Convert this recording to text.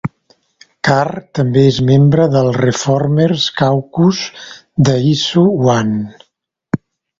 Carr també és membre del ReFormers Caucus de Issue One.